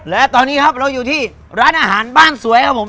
และตอนนี้ครับเราอยู่ที่ร้านอาหารบ้านสวยครับผม